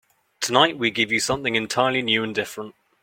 Tonight we give you something entirely new and different.